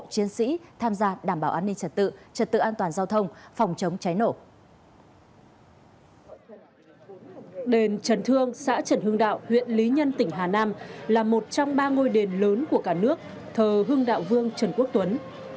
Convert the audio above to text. đền trần thương xã trần hưng đạo huyện lý nhân tỉnh hà nam là một trong ba ngôi đền lớn của cả nước thờ hưng đạo vương trần quốc tuấn